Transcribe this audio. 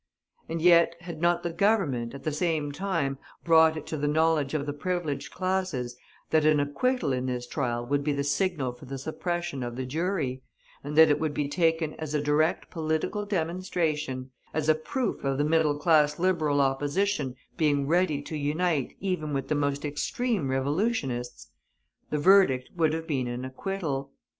And yet, had not the Government, at the same time, brought it to the knowledge of the privileged classes, that an acquittal in this trial would be the signal for the suppression of the jury; and that it would be taken as a direct political demonstration as a proof of the middle class Liberal Opposition being ready to unite even with the most extreme revolutionists the verdict would have been an acquittal.